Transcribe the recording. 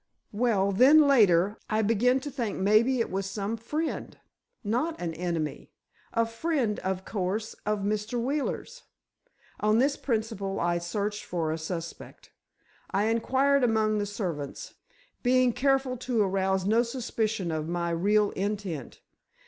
"Well, then later, I began to think maybe it was some friend—not an enemy. A friend, of course, of Mr. Wheeler's. On this principle I searched for a suspect. I inquired among the servants, being careful to arouse no suspicion of my real intent.